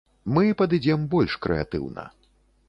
Мы падыдзем больш крэатыўна.